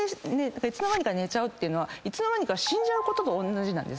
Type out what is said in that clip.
いつの間にか寝ちゃうってのはいつの間にか死んじゃうこととおんなじなんです